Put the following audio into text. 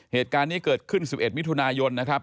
เหตุการณ์นี้เกิดขึ้น๑๑มิถุนายนนะครับ